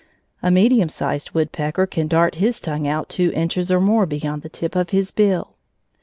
A medium sized woodpecker can dart his tongue out two inches or more beyond the tip of his bill.